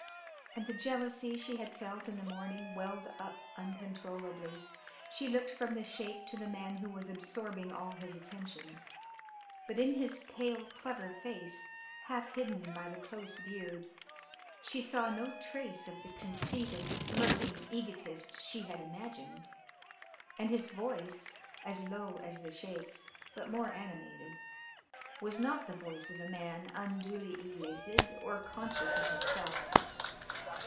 And the jealousy she had felt in the morning welled up uncontrollably. She looked from the Sheik to the man who was absorbing all his attention, but in his pale, clever face, half hidden by the close beard, she saw no trace of the conceited, smirking egotist she had imagined, and his voice, as low as the Sheik's, but more animated, was not the voice of a man unduly elated or conscious of himself.